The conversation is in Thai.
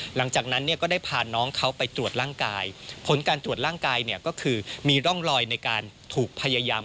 หลังจากนั้นเนี่ยก็ได้พาน้องเขาไปตรวจร่างกายผลการตรวจร่างกายเนี่ยก็คือมีร่องรอยในการถูกพยายาม